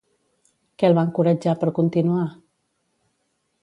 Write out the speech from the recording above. Què el va encoratjar per continuar?